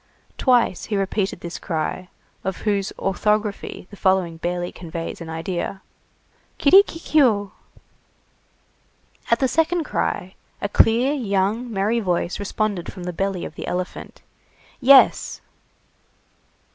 Twice he repeated this cry, of whose orthography the following barely conveys an idea:— "Kirikikiou!" At the second cry, a clear, young, merry voice responded from the belly of the elephant:— "Yes!"